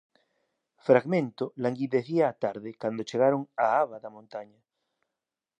Fragmento Languidecía a tarde cando chegaron á aba da montaña.